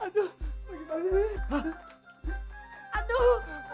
aku seorang jelajah